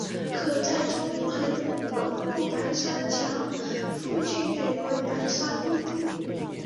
可在中横公路白沙桥附近远观白沙瀑布。